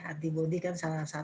antibody kan salah satu tentara ya